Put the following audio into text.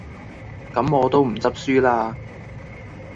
咁我都唔執輸喇